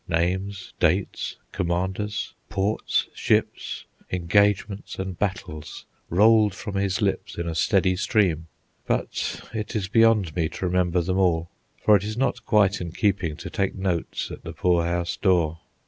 Names, dates, commanders, ports, ships, engagements, and battles, rolled from his lips in a steady stream, but it is beyond me to remember them all, for it is not quite in keeping to take notes at the poorhouse door.